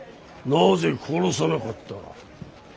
なぜ殺さなかった。